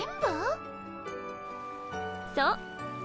そう。